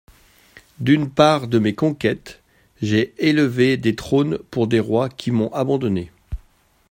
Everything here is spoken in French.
D'une part de mes conquêtes, j'ai élevé des trônes pour des rois qui m'ont abandonné.